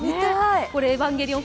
「エヴァンゲリオン」